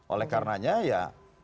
oleh karenanya ya